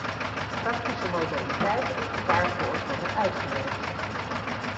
Praktische modaliteiten moeten daarvoor worden uitgewerkt.